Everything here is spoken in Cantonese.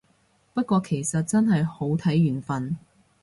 不過其實真係好睇緣份